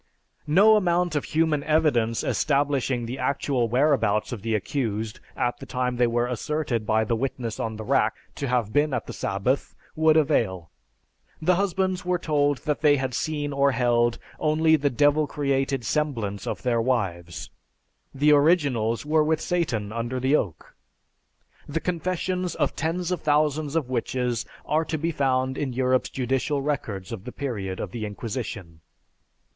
No amount of human evidence establishing the actual whereabouts of the accused at the time they were asserted by the witness on the rack to have been at the sabbath would avail. The husbands were told that they had seen or held only the devil created semblance of their wives. The originals were with Satan under the oak. The confessions of tens of thousands of witches are to be found in Europe's judicial records of the period of the Inquisition.